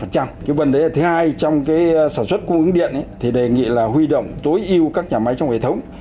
cái vấn đề thứ hai trong cái sản xuất cung ứng điện thì đề nghị là huy động tối ưu các nhà máy trong hệ thống